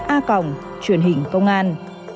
a cộng truyền hình công an